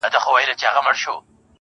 • هغه په ژړا ستغ دی چي يې هيڅ نه ژړل.